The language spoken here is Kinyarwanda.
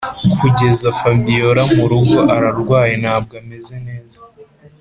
kugeza fabiora murugo ararwaye ntabwo ameze